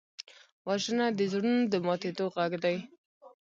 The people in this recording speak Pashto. وژنه د زړونو د ماتېدو غږ دی